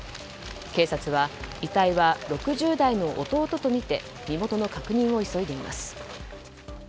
警察は遺体は６０代の弟とみて身元の確認を急いでいます。